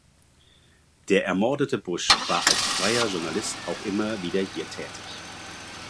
Der ermordete Busch war als freier Journalist auch immer wieder hier tätig.